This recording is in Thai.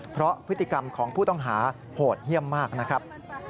เพราะพฤติกรรมของผู้ต้องหาโหดเยี่ยมมากนะครับ